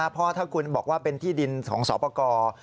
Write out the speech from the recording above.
เพราะถ้าคุณบอกว่าเป็นที่ดินของสอปกร